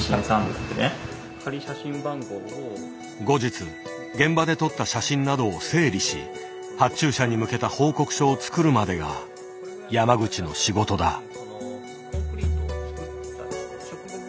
後日現場で撮った写真などを整理し発注者に向けた報告書を作るまでが山口の仕事だ。